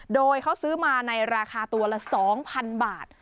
โดยเขาซื้อมาในราคาตัวละ๒๐๐๐บาท